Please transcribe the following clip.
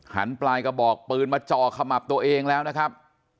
ปลายกระบอกปืนมาจ่อขมับตัวเองแล้วนะครับ